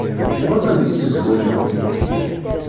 Ur kent-ssezhuyeɣ.